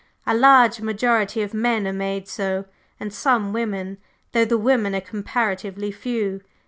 A large majority of men are made so, and some women, though the women are comparatively few.